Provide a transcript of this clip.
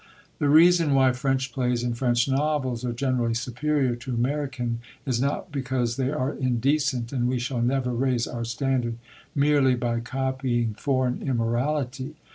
The reason why French plays and French novels are generally superior to American is not because they are indecent; and we shall never raise our standard merely by copying foreign immorality.